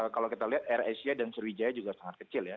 kalau kita lihat air asia dan sriwijaya juga sangat kecil ya